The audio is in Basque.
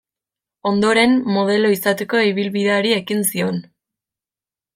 Ondoren modelo izateko ibilbideari ekin zion.